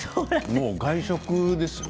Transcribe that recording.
もう外食ですよ。